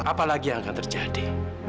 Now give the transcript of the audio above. apalagi yang akan terjadi